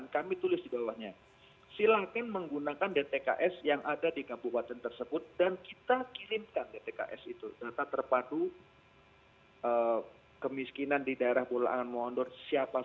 kita akan minta tanggapan dari menteri sosial